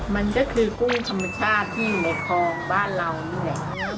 มันก็คือกุ้งธรรมชาติที่อยู่ในคลองบ้านเรานี่แหละ